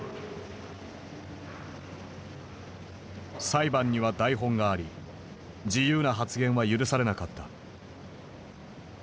裁判には台本があり自由な発言は許されなかった。